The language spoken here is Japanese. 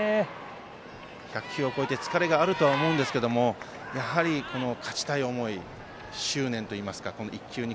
１００球を超えて疲れがあると思うんですけどやはり勝ちたい思い執念といいますか。